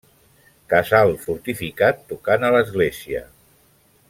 Casal fortificat, tocant a l'església.